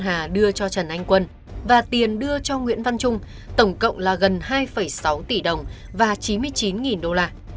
hà đưa cho trần anh quân và tiền đưa cho nguyễn văn trung tổng cộng là gần hai sáu tỷ đồng và chín mươi chín đô la